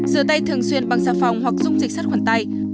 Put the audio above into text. rửa tay thường xuyên bằng xà phòng hoặc dùng dịch sắt khoản tay